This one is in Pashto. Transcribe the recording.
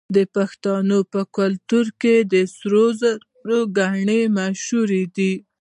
د پښتنو په کلتور کې د سرو زرو ګاڼې مشهورې دي.